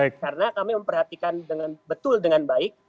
karena kami memperhatikan betul dengan baik